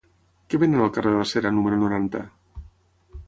Què venen al carrer de la Cera número noranta?